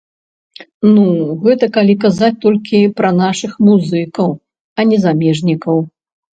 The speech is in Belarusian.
Ну, гэта калі казаць толькі пра нашых музыкаў, а не замежнікаў.